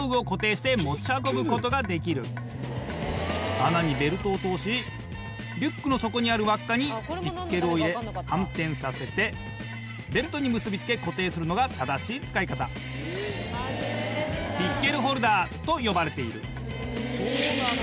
穴にベルトを通しリュックの底にある輪っかにピッケルを入れ反転させてベルトに結び付け固定するのが正しい使い方。と呼ばれている。